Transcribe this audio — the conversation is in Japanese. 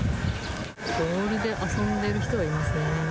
ボールで遊んでる人がいますね。